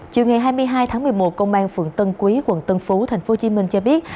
chiều ngày hai mươi hai tháng một mươi một công an phường tân quý quận tân phú tp hcm cho biết